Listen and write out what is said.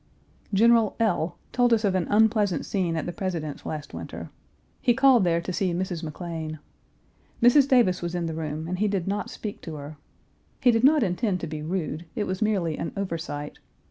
General L told us of an unpleasant scene at the President's last winter. He called there to see Mrs. McLean. Mrs. Davis was in the room and he did not speak to her. He did not intend to be rude; it was merely an oversight.